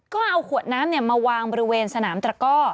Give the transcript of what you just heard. ก็เอาขวดน้ำมาวางบริเวณสนามตระก้อ